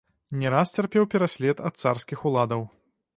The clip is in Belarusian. Не раз цярпеў пераслед ад царскіх ўладаў.